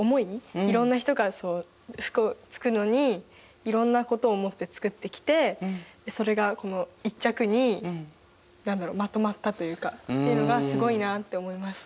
いろんな人が服を作るのにいろんなことを思って作ってきてそれがこの１着に何だろうまとまったというかっていうのがすごいなって思いました。